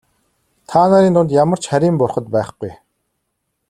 Та нарын дунд ямар ч харийн бурхад байхгүй.